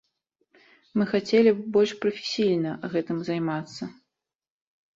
Мы хацелі б больш прафесійна гэтым займацца.